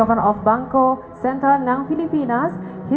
terima kasih banyak dan kita sudah